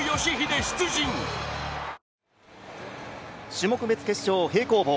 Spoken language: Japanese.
種目別決勝、平行棒。